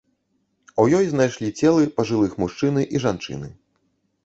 У ёй знайшлі целы пажылых мужчыны і жанчыны.